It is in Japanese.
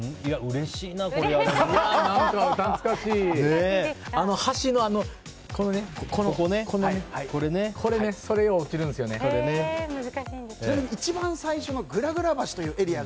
ちなみに一番最初のグラグラ橋というエリア。